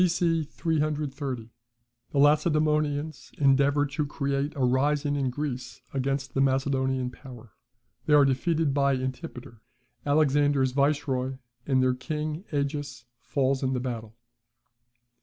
B.C. 330. The Lacedaemonians endeavour to create a rising in Greece against the Macedonian power; they are defeated by Antipater, Alexander's viceroy; and their king, Agis, falls in the battle.